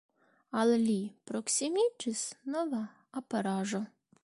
Al li proksimiĝis nova aperaĵo.